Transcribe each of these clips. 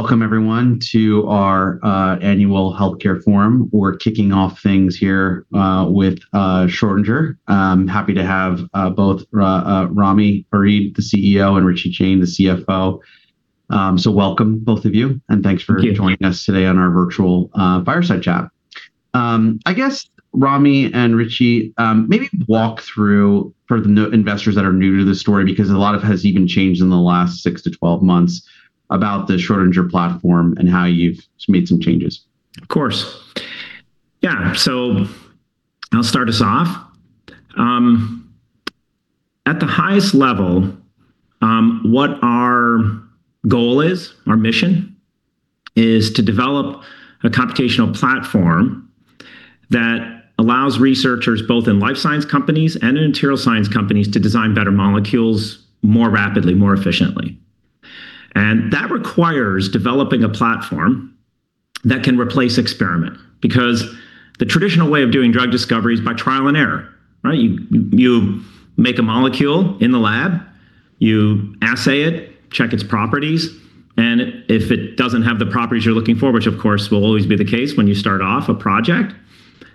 Welcome everyone to our annual healthcare forum. We're kicking off things here with Schrödinger. I'm happy to have both Ramy Farid, the CEO, and Rishi Jain, the CFO. Welcome both of you, and thanks for- Thank you. joining us today on our virtual fireside chat. I guess Ramy and Rishi, maybe walk through for the investors that are new to the story, because a lot of it has even changed in the last six to twelve months about the Schrödinger platform and how you've made some changes? Of course. Yeah. I'll start us off. At the highest level, what our goal is? Our mission is to develop a computational platform that allows researchers both in life sciences companies and in materials science companies to design better molecules more rapidly, more efficiently. That requires developing a platform that can replace experiment. Because the traditional way of doing drug discovery is by trial and error, right? You make a molecule in the lab, you assay it, check its properties, and if it doesn't have the properties you're looking for, which of course will always be the case when you start off a project,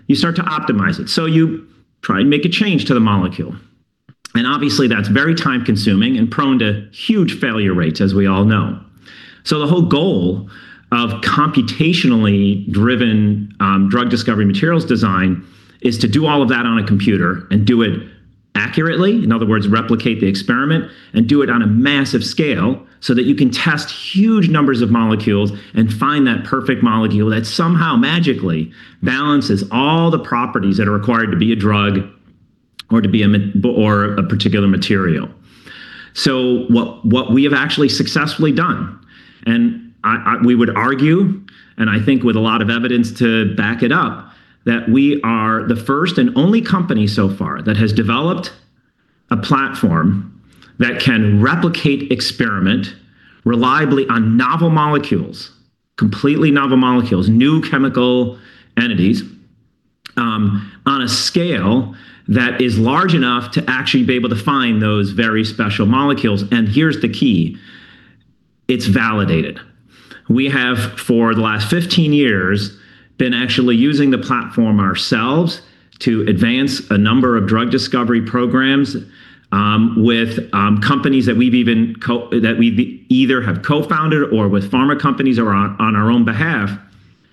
you start to optimize it. You try and make a change to the molecule, and obviously that's very time consuming and prone to huge failure rates, as we all know. The whole goal of computationally driven drug discovery materials design is to do all of that on a computer and do it accurately, in other words, replicate the experiment, and do it on a massive scale so that you can test huge numbers of molecules and find that perfect molecule that somehow magically balances all the properties that are required to be a drug or a particular material. What we have actually successfully done, and we would argue, and I think with a lot of evidence to back it up, that we are the first and only company so far that has developed a platform that can replicate experiment reliably on novel molecules, completely novel molecules, new chemical entities, on a scale that is large enough to actually be able to find those very special molecules. Here's the key, it's validated. We have, for the last 15 years, been actually using the platform ourselves to advance a number of drug discovery programs with companies that we've either co-founded or with pharma companies or on our own behalf,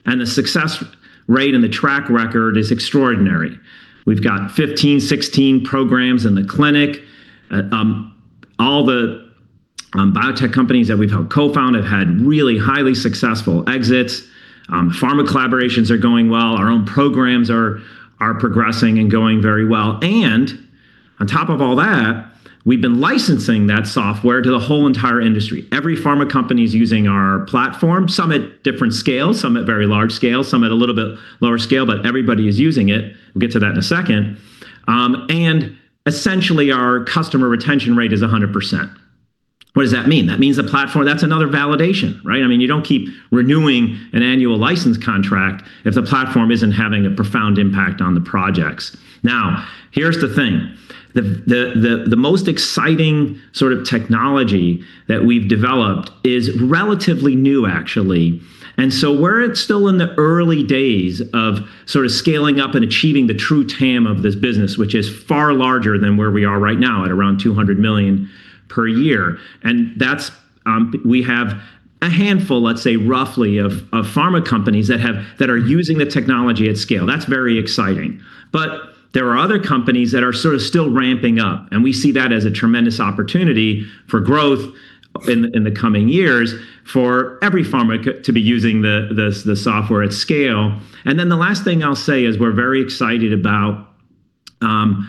and the success rate and the track record is extraordinary. We've got 15, 16 programs in the clinic. All the biotech companies that we've co-founded have had really highly successful exits. The pharma collaborations are going well. Our own programs are progressing and going very well. On top of all that, we've been licensing that software to the whole entire industry. Every pharma company is using our platform, some at different scales, some at very large scale, some at a little bit lower scale, but everybody is using it. We'll get to that in a second. Essentially our customer retention rate is 100%. What does that mean? That means the platform. That's another validation, right? I mean, you don't keep renewing an annual license contract if the platform isn't having a profound impact on the projects. Now, here's the thing, the most exciting sort of technology that we've developed is relatively new actually. We're still in the early days of sort of scaling up and achieving the true TAM of this business, which is far larger than where we are right now at around $200 million per year. That's, we have a handful, let's say, roughly of pharma companies that are using the technology at scale. That's very exciting. There are other companies that are sort of still ramping up, and we see that as a tremendous opportunity for growth in the coming years for every pharma to be using the software at scale. Then the last thing I'll say is we're very excited about.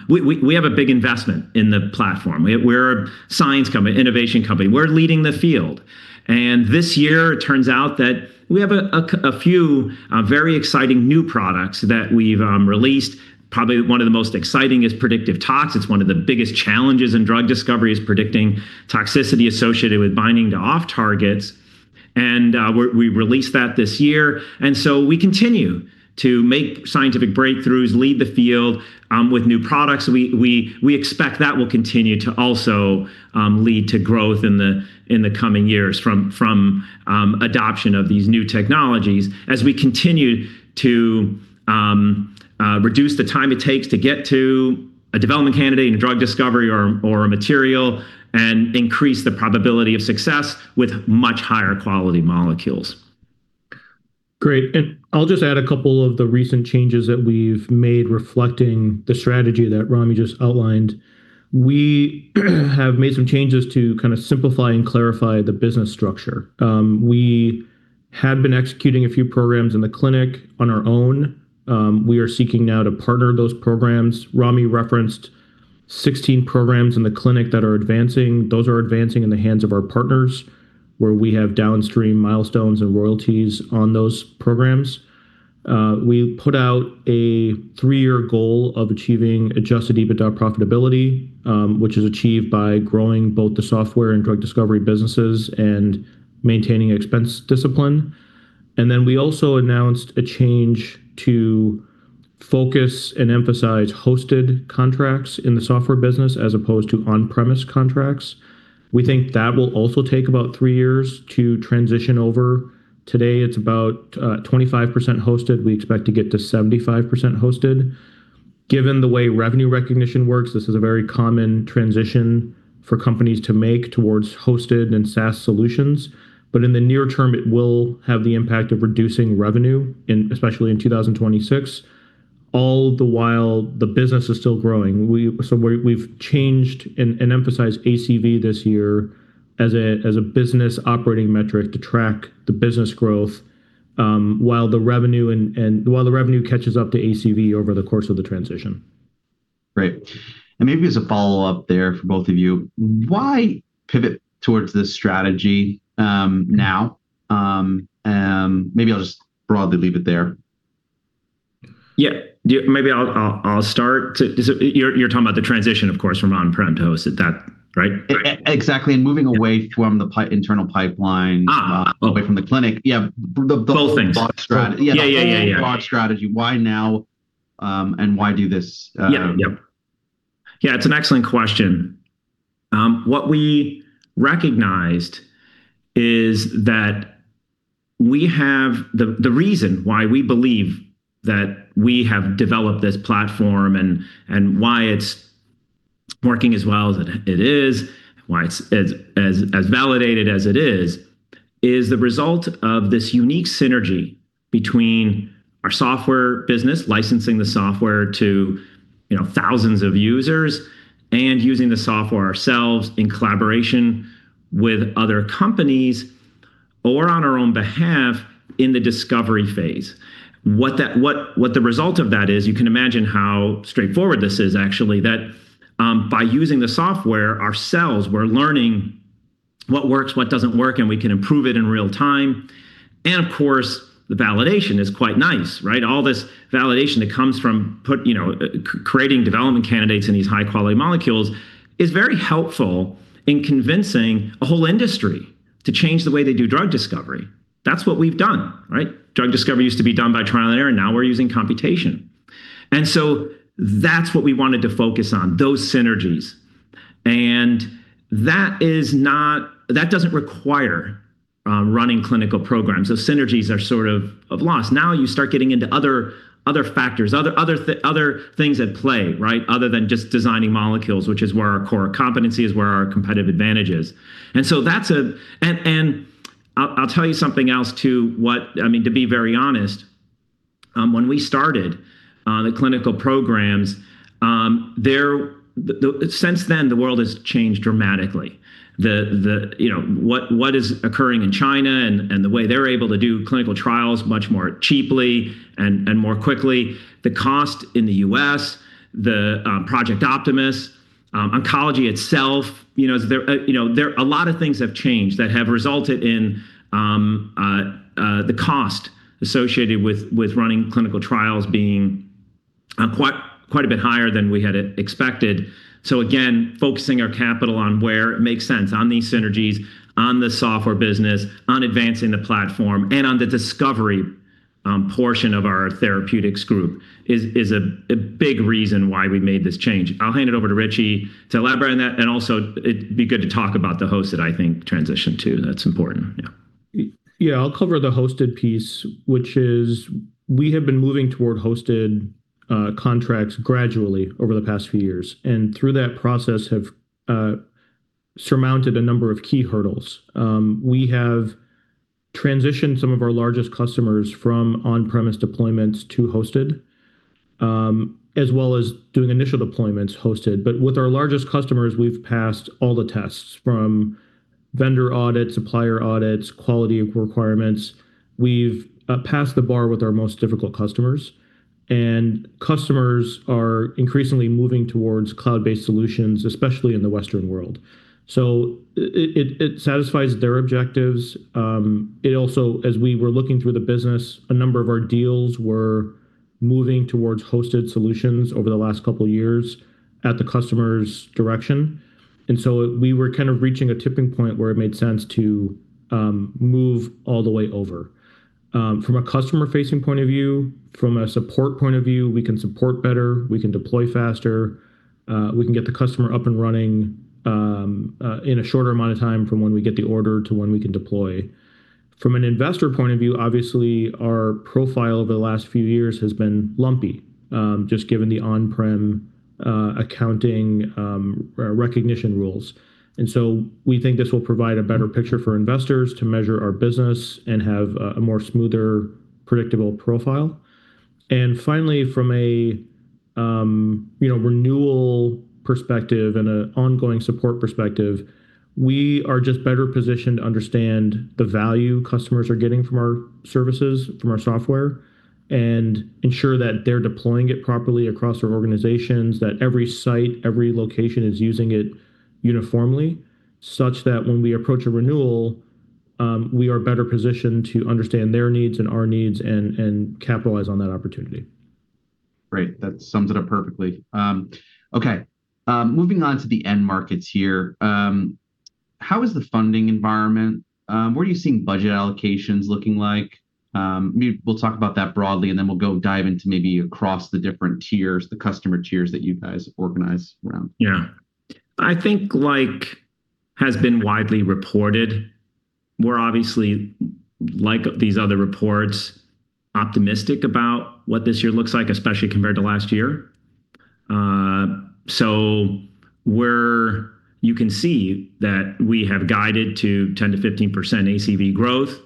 We have a big investment in the platform. We're a science company, innovation company. We're leading the field. This year it turns out that we have a few very exciting new products that we've released. Probably one of the most exciting is Predictive Tox. It's one of the biggest challenges in drug discovery is predicting toxicity associated with binding to off targets. We released that this year. We continue to make scientific breakthroughs, lead the field, with new products. We expect that will continue to also lead to growth in the coming years from adoption of these new technologies as we continue to reduce the time it takes to get to a development candidate and a drug discovery or a material and increase the probability of success with much higher quality molecules. Great. I'll just add a couple of the recent changes that we've made reflecting the strategy that Ramy just outlined. We have made some changes to kind of simplify and clarify the business structure. We had been executing a few programs in the clinic on our own. We are seeking now to partner those programs. Ramy referenced 16 programs in the clinic that are advancing. Those are advancing in the hands of our partners, where we have downstream milestones and royalties on those programs. We put out a three year goal of achieving adjusted EBITDA profitability, which is achieved by growing both the software and drug discovery businesses and maintaining expense discipline. We also announced a change to focus and emphasize hosted contracts in the software business as opposed to on-premise contracts. We think that will also take about three years to transition over. Today, it's about 25% hosted. We expect to get to 75% hosted. Given the way revenue recognition works, this is a very common transition for companies to make towards hosted and SaaS solutions. In the near term, it will have the impact of reducing revenue in, especially in 2026, all the while the business is still growing. We've changed and emphasized ACV this year as a business operating metric to track the business growth, while the revenue catches up to ACV over the course of the transition. Right. Maybe as a follow-up there for both of you, why pivot towards this strategy? Maybe I'll just broadly leave it there. Yeah. Yeah, you're talking about the transition, of course, from on-prem to hosted. That, right? Exactly. Moving away from the internal pipeline. Okay. Away from the clinic. Yeah. Both things. Broad strategy. Yeah, yeah, yeah. The whole broad strategy, why now, and why do this? Yeah. Yep. Yeah, it's an excellent question. What we recognized is that we have the reason why we believe that we have developed this platform and why it's working as well as it is, why it's as validated as it is the result of this unique synergy between our software business, licensing the software to, you know, thousands of users, and using the software ourselves in collaboration with other companies or on our own behalf in the discovery phase. What the result of that is, you can imagine how straightforward this is actually, that, by using the software ourselves, we're learning what works, what doesn't work, and we can improve it in real time. Of course, the validation is quite nice, right? All this validation that comes from you know, creating development candidates in these high-quality molecules is very helpful in convincing a whole industry to change the way they do drug discovery. That's what we've done, right? Drug discovery used to be done by trial and error, and now we're using computation. That's what we wanted to focus on, those synergies. That doesn't require running clinical programs. Those synergies are sort of loss. Now you start getting into other factors, other things at play, right? Other than just designing molecules, which is where our core competency is, where our competitive advantage is. That's a, and i'll tell you something else too what. I mean, to be very honest, when we started the clinical programs, since then, the world has changed dramatically. You know, what is occurring in China and the way they're able to do clinical trials much more cheaply and more quickly, the cost in the U.S., the Project Optimus, oncology itself, you know, there's a lot of things have changed that have resulted in the cost associated with running clinical trials being quite a bit higher than we had expected. Again, focusing our capital on where it makes sense on these synergies, on the software business, on advancing the platform, and on the discovery portion of our therapeutics group is a big reason why we made this change. I'll hand it over to Rishi to elaborate on that, and also it'd be good to talk about the hosted, I think, transition too. That's important. Yeah. Yeah. I'll cover the hosted piece, which is we have been moving toward hosted contracts gradually over the past few years, and through that process have surmounted a number of key hurdles. We have transitioned some of our largest customers from on-premise deployments to hosted, as well as doing initial deployments hosted. With our largest customers, we've passed all the tests, from vendor audits, supplier audits, quality requirements. We've passed the bar with our most difficult customers, and customers are increasingly moving towards cloud-based solutions, especially in the Western world. It satisfies their objectives. It also, as we were looking through the business, a number of our deals were moving towards hosted solutions over the last couple years at the customer's direction. We were kind of reaching a tipping point where it made sense to move all the way over. From a customer-facing point of view, from a support point of view, we can support better, we can deploy faster, we can get the customer up and running in a shorter amount of time from when we get the order to when we can deploy. From an investor point of view, obviously, our profile over the last few years has been lumpy, just given the on-prem accounting recognition rules. We think this will provide a better picture for investors to measure our business and have a more smoother, predictable profile. Finally, from a you know renewal perspective and an ongoing support perspective, we are just better positioned to understand the value customers are getting from our services, from our software, and ensure that they're deploying it properly across our organizations, that every site, every location is using it uniformly, such that when we approach a renewal, we are better positioned to understand their needs and our needs and capitalize on that opportunity. Great. That sums it up perfectly. Okay. Moving on to the end markets here. How is the funding environment? What are you seeing budget allocations looking like? We'll talk about that broadly, and then we'll go dive into maybe across the different tiers, the customer tiers that you guys organize around. Yeah. I think, like, has been widely reported, we're obviously, like these other reports, optimistic about what this year looks like, especially compared to last year. You can see that we have guided to 10%-15% ACV growth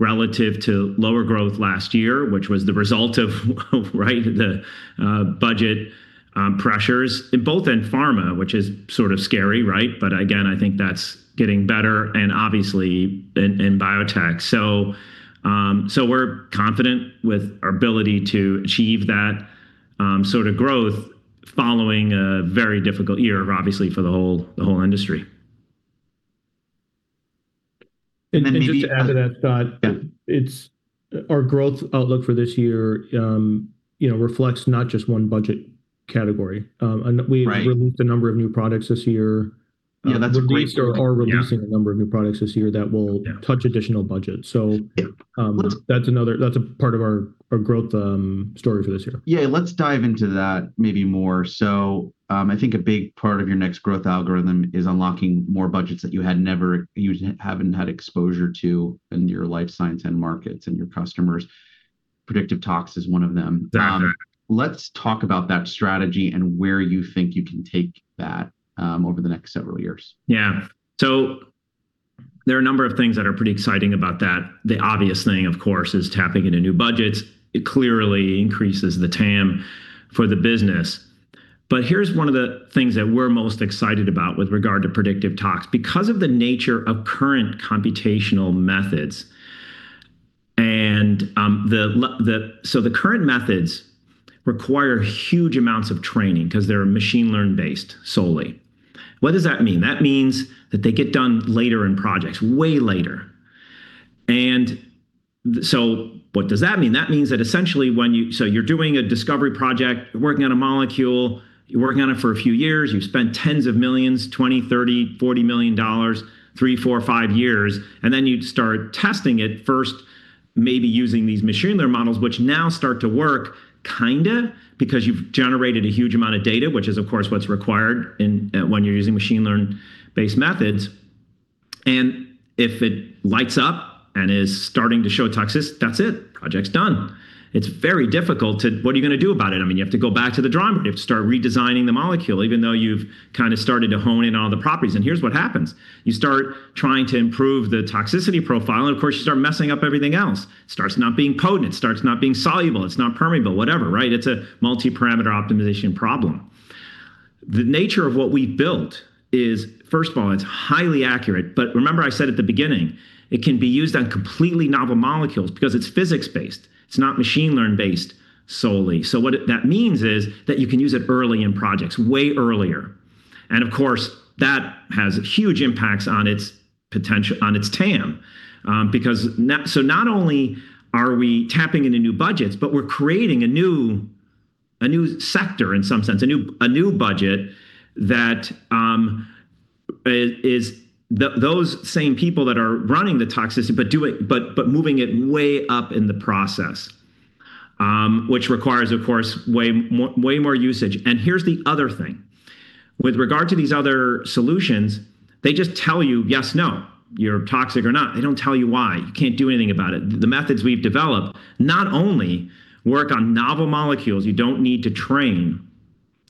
relative to lower growth last year, which was the result of, right, the budget pressures both in pharma, which is sort of scary, right? Again, I think that's getting better and obviously in biotech. We're confident with our ability to achieve that sort of growth following a very difficult year obviously for the whole industry. And then maybe- Just to add to that, Scott. Yeah. Our growth outlook for this year, you know, reflects not just one budget category. Right We released a number of new products this year. Yeah, that's a great point. Are releasing a number of new products this year that will- Yeah touch additional budget. That's a part of our growth story for this year. Yeah, let's dive into that maybe more. I think a big part of your next growth algorithm is unlocking more budgets that you haven't had exposure to in your life science end markets and your customers. Predictive Tox is one of them. That's right. Let's talk about that strategy and where you think you can take that, over the next several years. Yeah. There are a number of things that are pretty exciting about that. The obvious thing, of course, is tapping into new budgets. It clearly increases the TAM for the business. Here's one of the things that we're most excited about with regard to Predictive Tox. Because of the nature of current computational methods and, so the current methods require huge amounts of training 'cause they're machine learning based solely. What does that mean? That means that they get done later in projects, way later. What does that mean? That means that essentially so you're doing a discovery project, working on a molecule, you're working on it for a few years. You've spent tens of millions, $20 million, $30 million, $40 million, three, four, five years, and then you'd start testing it first, maybe using these machine learning models, which now start to work kinda because you've generated a huge amount of data, which is of course what's required when you're using machine learning-based methods. If it lights up and is starting to show toxic, that's it. Project's done. It's very difficult. What are you gonna do about it? I mean, you have to go back to the drawing board. You have to start redesigning the molecule even though you've kinda started to hone in on all the properties. Here's what happens. You start trying to improve the toxicity profile, and of course, you start messing up everything else. It starts not being potent. It starts not being soluble. It's not permeable. Whatever, right? It's a multi-parameter optimization problem. The nature of what we've built is, first of all, it's highly accurate, but remember I said at the beginning, it can be used on completely novel molecules because it's physics-based. It's not machine learning based solely. That means is that you can use it early in projects, way earlier. Of course, that has huge impacts on its TAM because so not only are we tapping into new budgets, but we're creating a new sector in some sense, a new budget that is those same people that are running the toxicity, but moving it way up in the process, which requires, of course, way more usage. Here's the other thing. With regard to these other solutions, they just tell you, yes, no, you're toxic or not. They don't tell you why. You can't do anything about it. The methods we've developed not only work on novel molecules. You don't need to train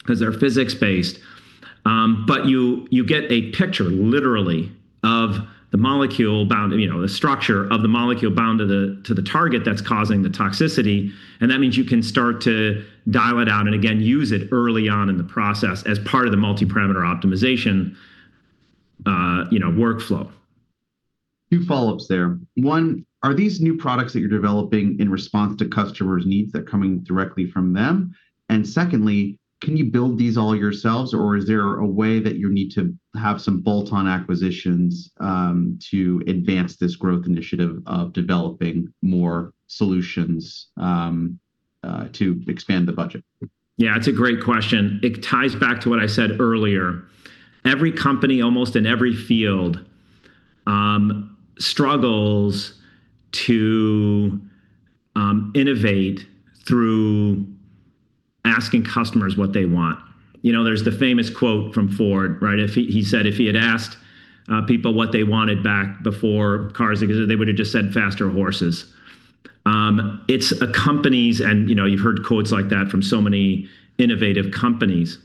'cause they're physics-based, but you get a picture literally of the molecule bound, you know, the structure of the molecule bound to the target that's causing the toxicity, and that means you can start to dial it down and again use it early on in the process as part of the multi-parameter optimization, you know, workflow. Two follow-ups there. One, are these new products that you're developing in response to customers' needs that are coming directly from them? Secondly, can you build these all yourselves, or is there a way that you need to have some bolt-on acquisitions to advance this growth initiative of developing more solutions to expand the budget? Yeah, it's a great question. It ties back to what I said earlier. Every company almost in every field struggles to innovate through asking customers what they want. You know, there's the famous quote from Ford, right? If he said if he had asked people what they wanted back before cars existed, they would have just said faster horses. It's a company's. You know, you've heard quotes like that from so many innovative companies.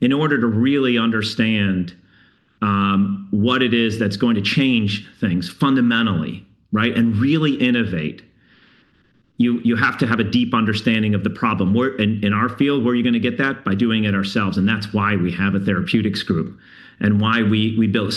In order to really understand what it is that's going to change things fundamentally, right, and really innovate, you have to have a deep understanding of the problem. In our field, where are you gonna get that? By doing it ourselves, and that's why we have a therapeutics group and why we built.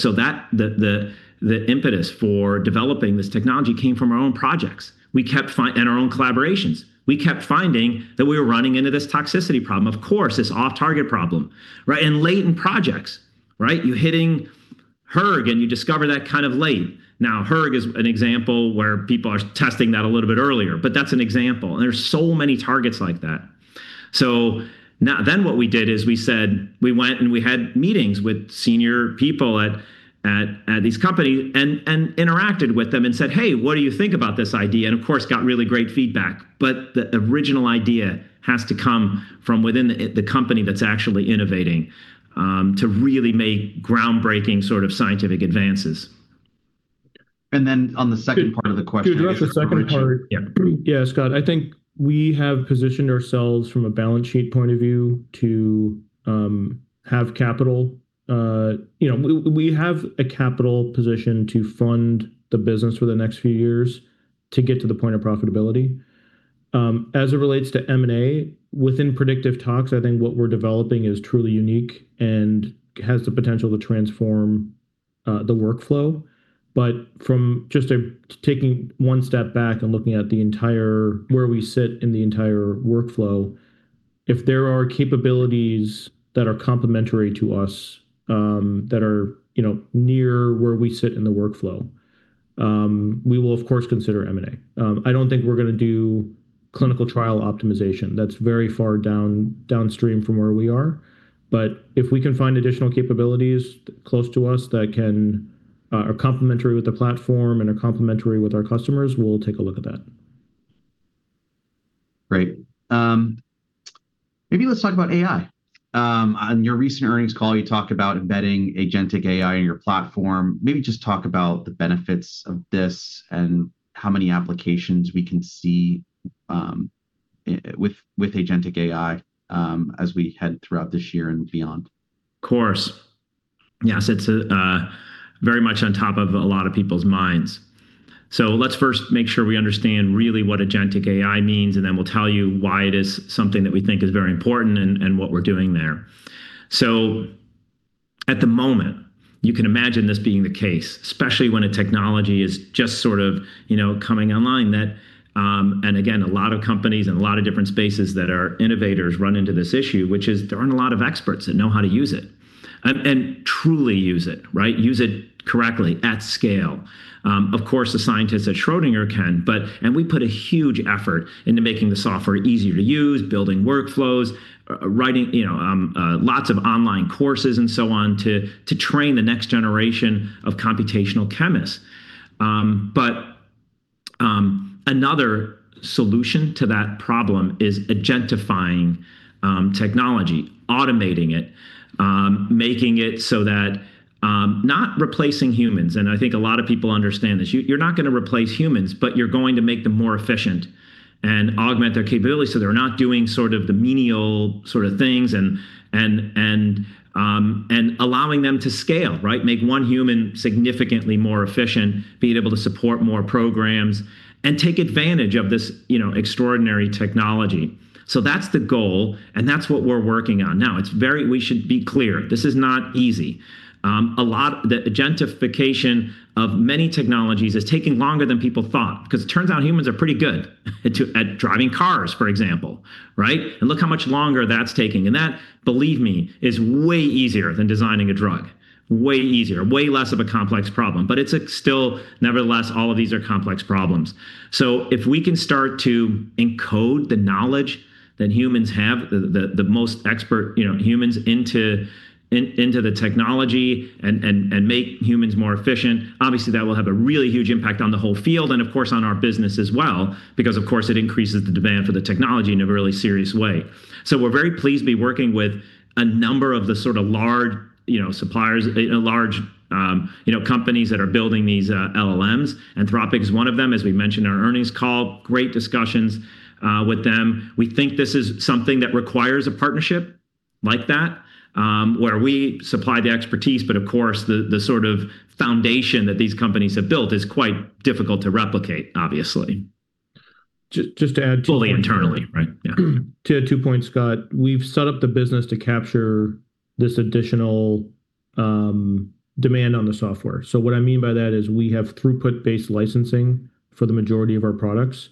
The impetus for developing this technology came from our own projects and our own collaborations. We kept finding that we were running into this toxicity problem, of course, this off-target problem, right? Late in projects, right? You're hitting hERG and you discover that kind of late. Now hERG is an example where people are testing that a little bit earlier, but that's an example, and there's so many targets like that. What we did is we went and we had meetings with senior people at these companies and interacted with them and said, "Hey, what do you think about this idea?" Of course got really great feedback. The original idea has to come from within the company that's actually innovating to really make groundbreaking sort of scientific advances. On the second part of the question. To address the second part. Yeah. Yeah, Scott, I think we have positioned ourselves from a balance sheet point of view to have capital. You know, we have a capital position to fund the business for the next few years to get to the point of profitability. As it relates to M&A, within Predictive Tox, I think what we're developing is truly unique and has the potential to transform the workflow. But from just taking one step back and looking at where we sit in the entire workflow, if there are capabilities that are complementary to us, that are, you know, near where we sit in the workflow, we will of course consider M&A. I don't think we're gonna do clinical trial optimization. That's very far downstream from where we are. If we can find additional capabilities close to us that are complementary with the platform and are complementary with our customers, we'll take a look at that. Great. Maybe let's talk about AI? On your recent earnings call, you talked about embedding agentic AI in your platform. Maybe just talk about the benefits of this and how many applications we can see, with agentic AI, as we head throughout this year and beyond? Of course. Yes, it's very much on top of a lot of people's minds. Let's first make sure we understand really what agentic AI means, and then we'll tell you why it is something that we think is very important and what we're doing there. At the moment, you can imagine this being the case, especially when a technology is just sort of, you know, coming online that, and again, a lot of companies and a lot of different spaces that are innovators run into this issue, which is there aren't a lot of experts that know how to use it and truly use it, right? Use it correctly at scale. Of course, the scientists at Schrödinger can, and we put a huge effort into making the software easier to use, building workflows, writing, you know, lots of online courses and so on to train the next generation of computational chemists. Another solution to that problem is agentifying technology, automating it, making it so that not replacing humans, and I think a lot of people understand this. You're not gonna replace humans, but you're going to make them more efficient and augment their capabilities, so they're not doing sort of the menial sort of things and allowing them to scale, right? Make one human significantly more efficient, being able to support more programs and take advantage of this, you know, extraordinary technology. That's the goal, and that's what we're working on. Now, we should be clear, this is not easy. The agentification of many technologies is taking longer than people thought, because it turns out humans are pretty good at driving cars, for example, right? Look how much longer that's taking. That, believe me, is way easier than designing a drug. Way easier, way less of a complex problem. It's still nevertheless, all of these are complex problems. If we can start to encode the knowledge that humans have, the most expert, you know, humans into the technology and make humans more efficient, obviously that will have a really huge impact on the whole field and of course on our business as well, because of course it increases the demand for the technology in a really serious way. We're very pleased to be working with a number of the sort of large, you know, companies that are building these LLMs. Anthropic is one of them. As we mentioned in our earnings call, great discussions with them. We think this is something that requires a partnership? like that, where we supply the expertise, but of course the sort of foundation that these companies have built is quite difficult to replicate, obviously. Just to add two- Fully internally, right. Yeah. To add two points, Scott. We've set up the business to capture this additional demand on the software. What I mean by that is we have throughput-based licensing for the majority of our products.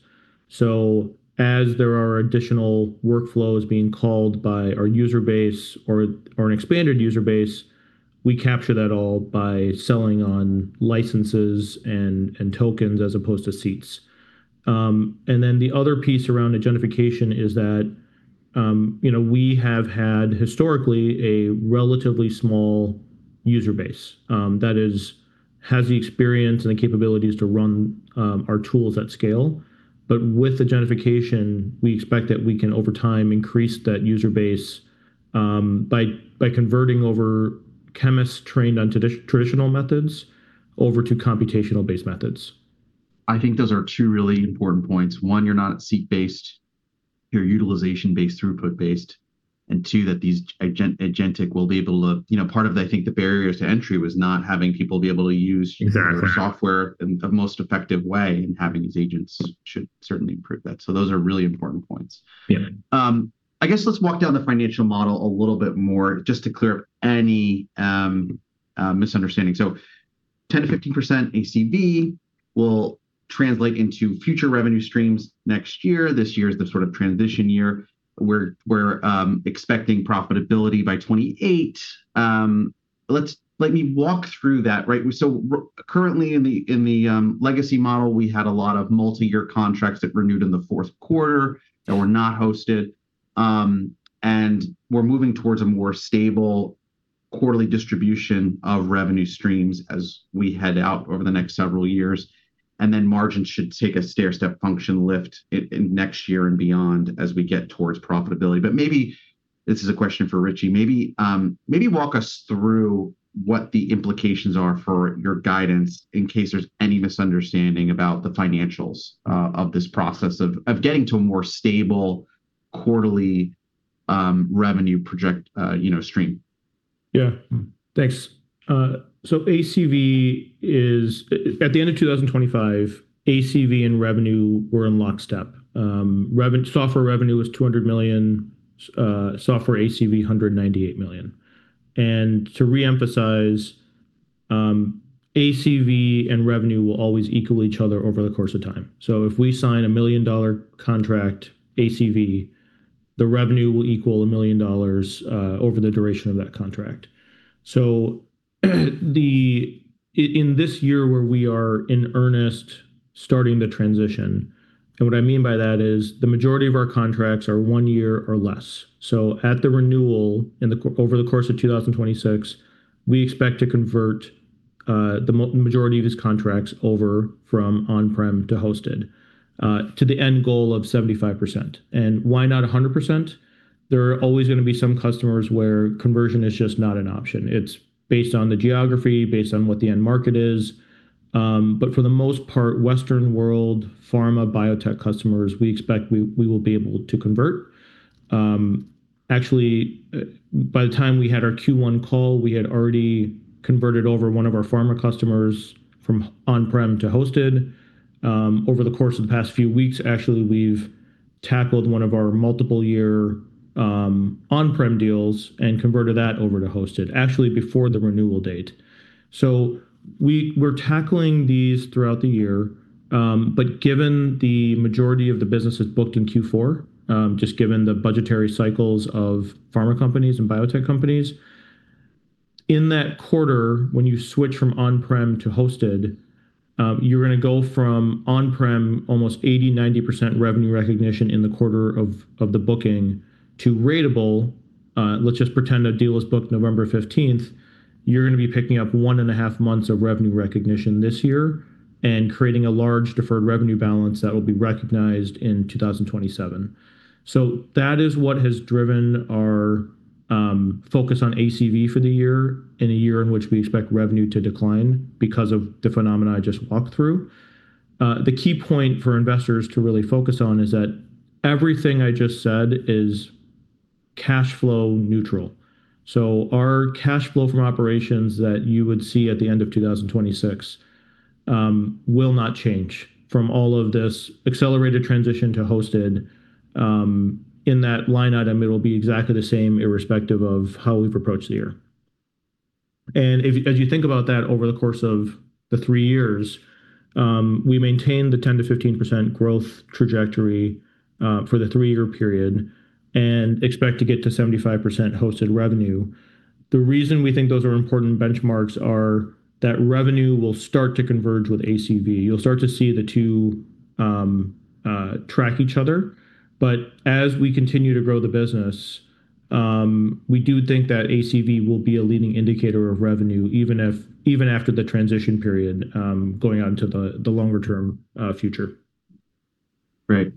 As there are additional workflows being called by our user base or an expanded user base, we capture that all by selling additional licenses and tokens as opposed to seats. The other piece around agentification is that you know, we have had historically a relatively small user base that has the experience and the capabilities to run our tools at scale. With agentification, we expect that we can over time increase that user base by converting over chemists trained on traditional methods over to computationally based methods. I think those are two really important points. One, you're not seat-based, you're utilization-based, throughput-based, and two, that these agentic will be able to. You know, part of that, I think the barriers to entry was not having people be able to use- Exactly the software in the most effective way and having these agents should certainly improve that. Those are really important points. Yeah. I guess let's walk down the financial model a little bit more just to clear up any misunderstanding. 10%-15% ACV will translate into future revenue streams next year. This year is the sort of transition year. We're expecting profitability by 2028. Let me walk through that, right? Currently in the legacy model, we had a lot of multi-year contracts that renewed in the fourth quarter that were not hosted. We're moving towards a more stable quarterly distribution of revenue streams as we head out over the next several years. Then margins should take a stairstep function lift in next year and beyond as we get towards profitability. Maybe this is a question for Rishi. Maybe walk us through what the implications are for your guidance in case there's any misunderstanding about the financials of this process of getting to a more stable quarterly revenue, you know, stream. Yeah. Thanks. ACV is. At the end of 2025, ACV and revenue were in lockstep. Software revenue was $200 million, software ACV $198 million. To reemphasize, ACV and revenue will always equal each other over the course of time. If we sign a $1 million contract ACV, the revenue will equal $1 million over the duration of that contract. In this year where we are in earnest starting the transition, and what I mean by that is the majority of our contracts are one year or less. At the renewal over the course of 2026, we expect to convert the majority of these contracts over from on-prem to hosted to the end goal of 75%. Why not 100%? There are always gonna be some customers where conversion is just not an option. It's based on the geography, based on what the end market is. For the most part, Western world pharma biotech customers, we expect we will be able to convert. Actually, by the time we had our Q1 call, we had already converted over one of our pharma customers from on-prem to hosted. Over the course of the past few weeks, actually, we've tackled one of our multiple year on-prem deals and converted that over to hosted, actually before the renewal date. We're tackling these throughout the year, but given the majority of the business is booked in Q4, just given the budgetary cycles of pharma companies and biotech companies, in that quarter, when you switch from on-prem to hosted, you're gonna go from on-prem, almost 80%-90% revenue recognition in the quarter of the booking to ratable. Let's just pretend a deal is booked November 15th, you're gonna be picking up one and a half months of revenue recognition this year and creating a large deferred revenue balance that will be recognized in 2027. That is what has driven our focus on ACV for the year, in a year in which we expect revenue to decline because of the phenomena I just walked through. The key point for investors to really focus on is that everything I just said is cash flow neutral. Our cash flow from operations that you would see at the end of 2026 will not change from all of this accelerated transition to hosted. In that line item, it'll be exactly the same, irrespective of how we've approached the year. If, as you think about that over the course of the three years, we maintain the 10%-15% growth trajectory for the three-year period and expect to get to 75% hosted revenue. The reason we think those are important benchmarks are that revenue will start to converge with ACV. You'll start to see the two track each other. As we continue to grow the business, we do think that ACV will be a leading indicator of revenue even after the transition period, going out into the longer term future. Great.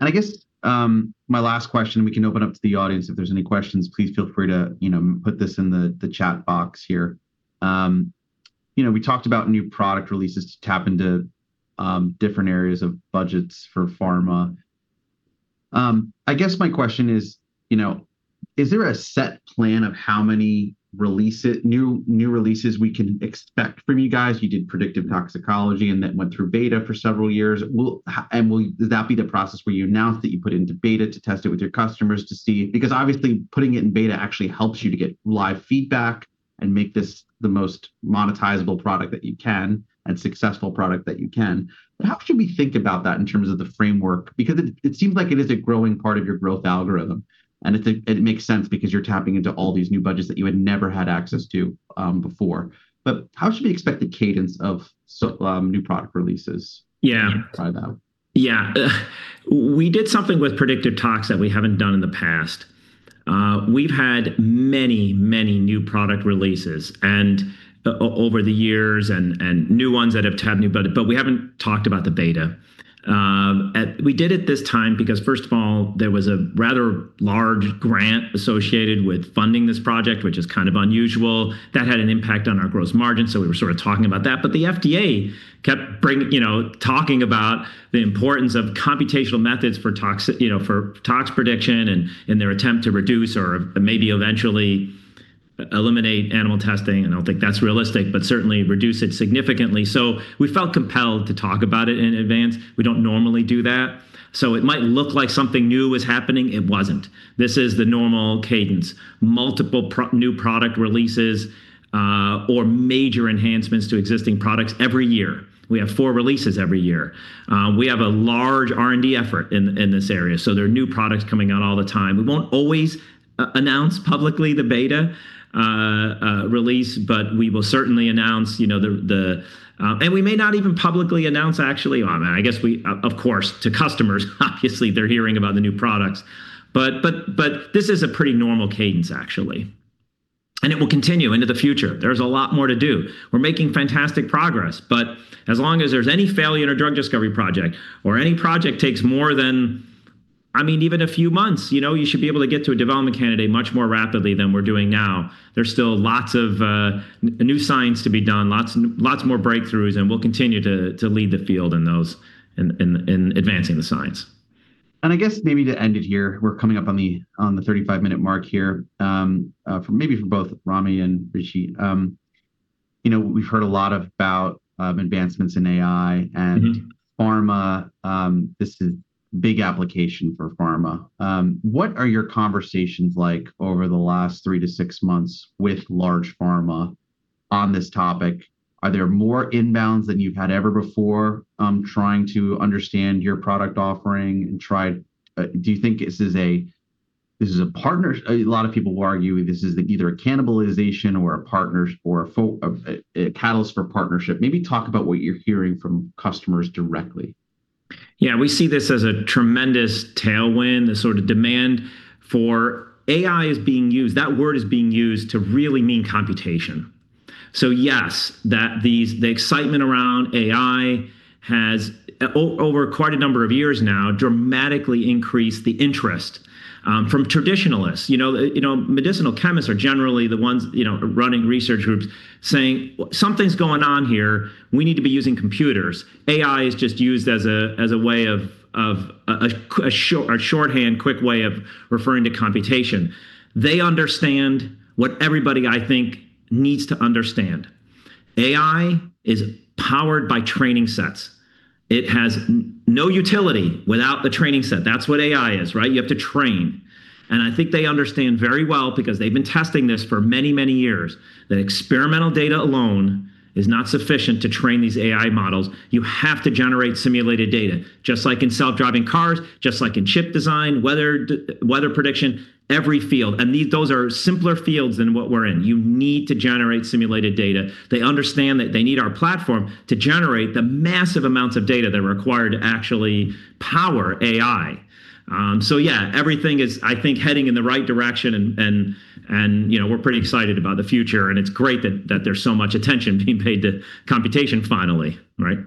I guess my last question, we can open up to the audience if there's any questions. Please feel free to, you know, put this in the chat box here. You know, we talked about new product releases to tap into different areas of budgets for pharma. I guess my question is, you know, is there a set plan of how many new releases we can expect from you guys? You did Predictive Toxicology, and that went through beta for several years. Does that be the process where you announce that you put it into beta to test it with your customers to see? Because obviously, putting it in beta actually helps you to get live feedback and make this the most monetizable product that you can and successful product that you can. How should we think about that in terms of the framework? Because it seems like it is a growing part of your growth algorithm, and it makes sense because you're tapping into all these new budgets that you had never had access to, before. How should we expect the cadence of new product releases? Yeah by now? Yeah. We did something with Predictive Tox that we haven't done in the past. We've had many new product releases and over the years and new ones that have tapped new budget, but we haven't talked about the beta. We did it this time because, first of all, there was a rather large grant associated with funding this project, which is kind of unusual. That had an impact on our gross margin, so we were sort of talking about that. The FDA kept bringing, you know, talking about the importance of computational methods for tox, you know, for tox prediction and in their attempt to reduce or maybe eventually eliminate animal testing. I don't think that's realistic, but certainly reduce it significantly. We felt compelled to talk about it in advance. We don't normally do that. It might look like something new was happening, it wasn't. This is the normal cadence. Multiple new product releases, or major enhancements to existing products every year. We have four releases every year. We have a large R&D effort in this area, so there are new products coming out all the time. We won't always announce publicly the beta release, but we will certainly announce, you know, the. We may not even publicly announce, actually. Oh, man, I guess we, of course, to customers, obviously they're hearing about the new products. But this is a pretty normal cadence actually, and it will continue into the future. There's a lot more to do. We're making fantastic progress, but as long as there's any failure in a drug discovery project, or any project takes more than, I mean, even a few months, you know, you should be able to get to a development candidate much more rapidly than we're doing now. There's still lots of new science to be done, lots more breakthroughs, and we'll continue to lead the field in those in advancing the science. I guess maybe to end it here, we're coming up on the 35-minute mark here, for both Ramy and Rishi you know, we've heard a lot about advancements in AI and- Mm-hmm. pharma, this is big application for pharma. What are your conversations like over the last three to six months with large pharma on this topic? Are there more inbounds than you've had ever before, trying to understand your product offering, do you think this is a partnership? A lot of people will argue this is either a cannibalization or a partnership or a catalyst for partnership. Maybe talk about what you're hearing from customers directly. Yeah. We see this as a tremendous tailwind, the sort of demand for AI. That word is being used to really mean computation. Yes, these, the excitement around AI has over quite a number of years now dramatically increased the interest from traditionalists. You know, medicinal chemists are generally the ones, you know, running research groups saying, "Something's going on here. We need to be using computers." AI is just used as a way of a shorthand, quick way of referring to computation. They understand what everybody, I think, needs to understand. AI is powered by training sets. It has no utility without the training set. That's what AI is, right? You have to train. I think they understand very well because they've been testing this for many, many years, that experimental data alone is not sufficient to train these AI models. You have to generate simulated data, just like in self-driving cars, just like in chip design, weather prediction, every field. Those are simpler fields than what we're in. You need to generate simulated data. They understand that they need our platform to generate the massive amounts of data that are required to actually power AI. So yeah, everything is, I think, heading in the right direction and you know, we're pretty excited about the future, and it's great that there's so much attention being paid to computation finally, right?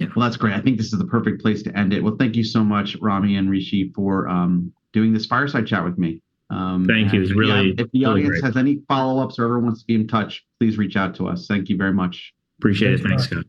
Yeah. Well, that's great. I think this is the perfect place to end it. Well, thank you so much, Ramy and Rishi, for doing this fireside chat with me. Thank you. It was really, really great. If the audience has any follow-ups or ever wants to be in touch, please reach out to us. Thank you very much. Appreciate it. Thanks, Scott.